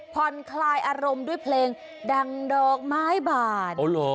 ผ่อนคลายอารมณ์ด้วยเพลงดังดอกไม้บาด